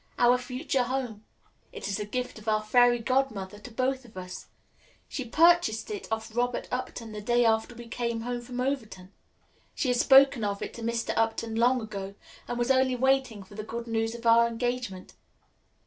"Our future home. It is the gift of our Fairy Godmother to both of us. She purchased it of Robert Upton the day after we came from Overton. She had spoken of it to Mr. Upton long ago and was only waiting for the good news of our engagement.